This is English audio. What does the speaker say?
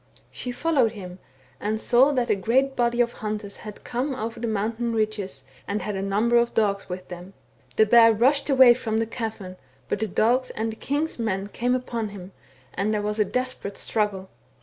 She followed him, and saw that a great body of hunters had come over the mountain ridges, and had,J a number of dogs with them. The bear rushed away from the cavern, but the dogs and the king's men came upon him, and there was a desperate struggle.